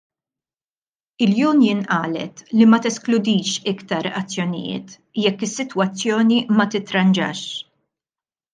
Il-Union qalet li ma teskludix iktar azzjonijiet jekk is-sitwazzjoni ma titranġax.